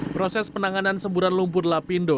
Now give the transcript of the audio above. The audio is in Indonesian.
proses penanganan semburan lumpur lapindo